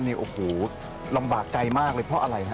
ที่ลำบากใจมากเลยเพราะอะไรนะ